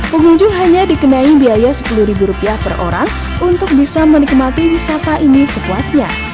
pengunjung hanya dikenai biaya sepuluh ribu rupiah per orang untuk bisa menikmati wisata ini sepuasnya